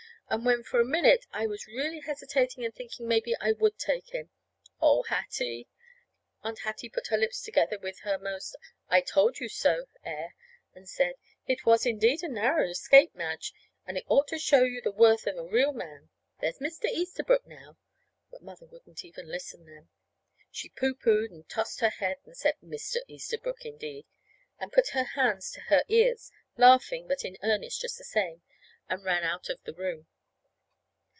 And when for a minute I was really hesitating and thinking that maybe I would take him. Oh, Hattie!" And Aunt Hattie put her lips together with her most I told you so air, and said: "It was, indeed, a narrow escape, Madge; and it ought to show you the worth of a real man. There's Mr. Easterbrook, now " But Mother wouldn't even listen then. She pooh poohed and tossed her head, and said, "Mr. Easterbrook, indeed!" and put her hands to her ears, laughing, but in earnest just the same, and ran out of the room.